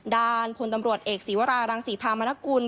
ด้านพลตำรวจเอกศีวรารังศรีพามนกุล